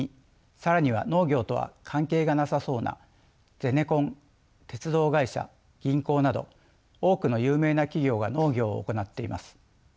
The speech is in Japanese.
更には農業とは関係がなさそうなゼネコン鉄道会社銀行など多くの有名な企業が農業を行っています。